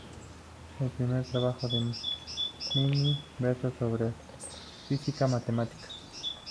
El primer trabajo de Milne versó sobre astrofísica matemática.